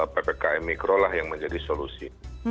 ppkm mikro lah yang menjadi solusi